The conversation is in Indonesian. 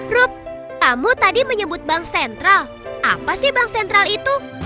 rub kamu tadi menyebut bank sentral apa sih bank sentral itu